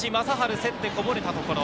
競って、こぼれたところ。